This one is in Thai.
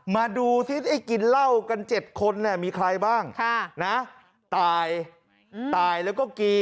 มาดูที่ไอ้กินเหล้ากันเจ็ดคนเนี่ยมีใครบ้างนะตายตายแล้วก็กรี